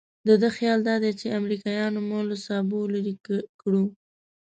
د ده خیال دادی چې امریکایانو مو له سابو لرې کړو.